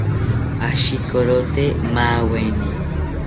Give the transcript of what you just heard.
Ashikorote maaweni